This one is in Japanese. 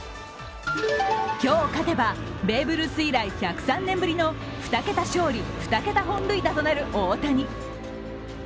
今日勝てばベーブ・ルース以来１０３年ぶりの２桁勝利・２桁本塁打となる大谷。